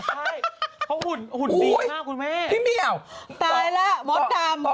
ใช่เค้าหุ่นหุ่นฟีมากคุณแม่